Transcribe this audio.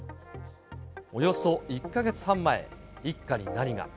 およそ１か月半前、一家に何が。